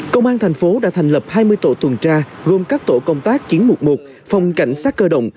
công an thành phố đã thành lập hai mươi tổ tuần tra gồm các tổ công tác chiến mục một phòng cảnh sát cơ động